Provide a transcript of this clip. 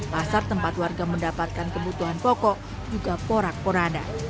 pasar tempat warga mendapatkan kebutuhan pokok juga porak poranda